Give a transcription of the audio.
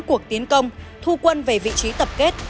cuộc tiến công thu quân về vị trí tập kết